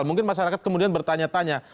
mungkin masyarakat kemudian bertanya tanya